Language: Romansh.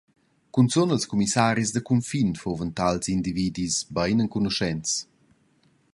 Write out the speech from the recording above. Cunzun als cumissaris da cunfin fuvan tals individis bein enconuschents.